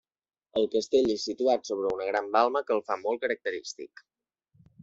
El Castell és situat sobre una gran balma que el fa molt característic.